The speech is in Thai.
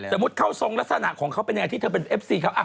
สมมุติเขาจอมราสอห์รัสสน่าเป็นไงถ้าเป็นเอฟซีครับ